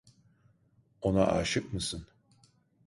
Ona âşık mısın?